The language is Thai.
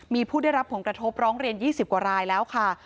มีผู้ได้รับผลกระทบร้องเรียน๒๐กว่ารายแล้วค่ะ